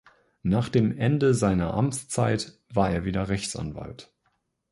Nach dem Ende seiner Amtszeit war er wieder Rechtsanwalt.